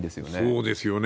そうですよね。